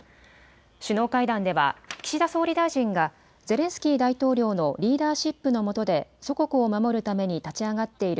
首脳会談では岸田総理大臣がゼレンスキー大統領のリーダーシップのもとで祖国を守るために立ち上がっている